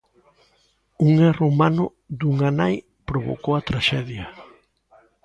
Un erro humano dunha nai provocou a traxedia.